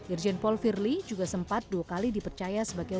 irjen paul firly juga sempat dua kali dipercaya sebagai